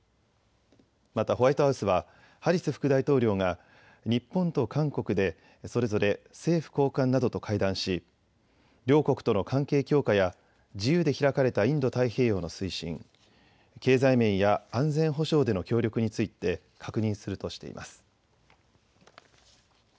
またホワイトハウスはハリス副大統領が日本と韓国でそれぞれ政府高官などと会談し、両国との関係強化や自由で開かれたインド太平洋の推進、経済面や安全保障での協力について確認するとしています。